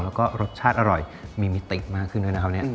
แล้วก็รสชาติอร่อยมีมิติกมากขึ้นด้วยนะครับเนี่ย